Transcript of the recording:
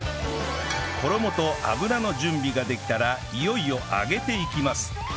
衣と油の準備ができたらいよいよ揚げていきます